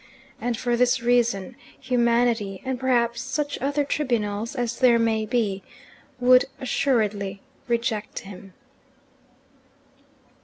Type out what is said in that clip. And for this reason Humanity, and perhaps such other tribunals as there may be, would assuredly reject him.